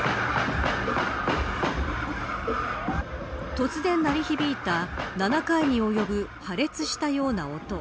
突然鳴り響いた、７回に及ぶ破裂したような音。